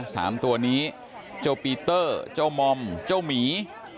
สามตัวนี้เจ้าปีเตอร์เจ้ามอมเจ้าหมี